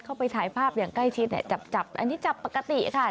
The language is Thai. เข้าไปถ่ายภาพอย่างใกล้ชิดเนี่ยจับอันนี้จับปกติค่ะ